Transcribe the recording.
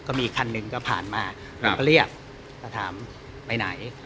ก็มีคันหนึ่งก็ผ่านมาเราก็เรียกถามไปไหน